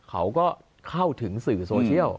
เขาก็เข้าถึงสื่อโซเชียล